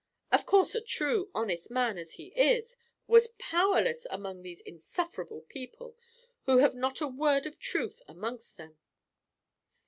Of course a true, honest man, as he is, was powerless among these insufferable people, who have not a word of truth amongst them."